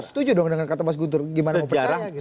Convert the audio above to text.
setuju dong dengan kata mas guntur gimana mau percaya gitu